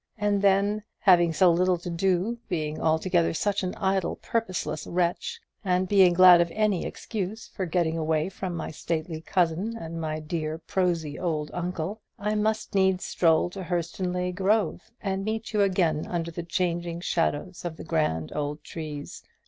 And then having so little to do, being altogether such an idle purposeless wretch, and being glad of any excuse for getting away from my stately cousin and my dear prosy old uncle I must needs stroll to Hurstonleigh Grove, and meet you again under the changing shadows of the grand old trees.